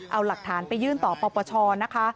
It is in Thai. เอาหลักฐานไปยื่นต่อปปชนะคะ